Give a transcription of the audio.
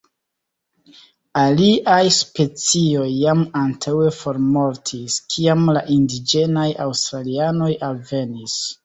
Aliaj specioj jam antaŭe formortis kiam la indiĝenaj aŭstralianoj alvenis.